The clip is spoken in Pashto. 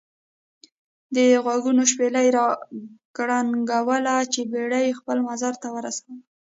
دغوږونو شپېلۍ را کرنګوله چې بېړۍ خپل منزل ته ورسول.